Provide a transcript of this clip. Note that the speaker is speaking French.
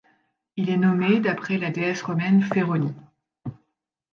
Il est nommé d'après la déesse romaine Féronie.